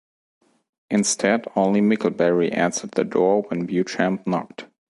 Instead, only Mickelberry answered the door when Beauchamp knocked.